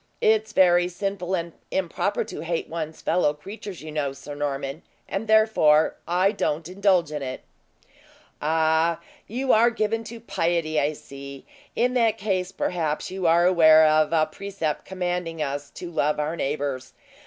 It's very sinful and improper to hate one's fellow creatures, you know, Sir Norman, and therefore I don't indulge in it." "Ah! you are given to piety, I see. In that case, perhaps you are aware of a precept commanding us to love our neighbors.